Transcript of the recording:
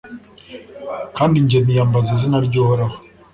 kandi njye niyambaza izina ry'uhoraho